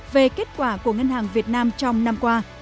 về kết quả của ngân hàng việt nam trong năm qua